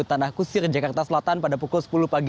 tanah kusir jakarta selatan pada pukul sepuluh pagi